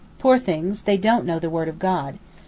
Poor things, they don't know the Word of God.